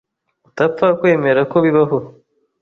utapfa kwemera ko bibaho